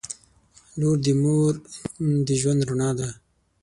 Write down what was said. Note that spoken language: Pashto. • لور د مور د ژوند رڼا ده.